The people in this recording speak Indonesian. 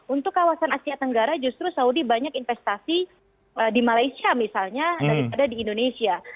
untuk kawasan asia tenggara justru saudi banyak investasi di malaysia misalnya daripada di indonesia